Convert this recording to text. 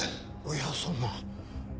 いやそんな。